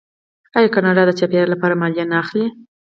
آیا کاناډا د چاپیریال لپاره مالیه نه اخلي؟